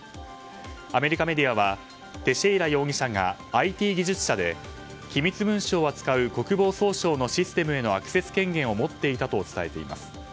アメリカメディアはテシェイラ容疑者がＩＴ技術者で機密文書を扱う国防総省のシステムへのアクセス権限を持っていたと伝えています。